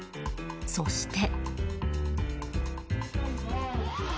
そして。